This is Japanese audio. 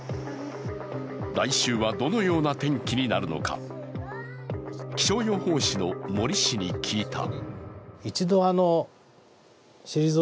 来週は、どのような天気になるのか気象予報士の森氏に聞いた。